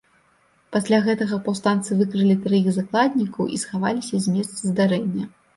Пасля гэтага паўстанцы выкралі траіх закладнікаў і схаваліся з месца здарэння.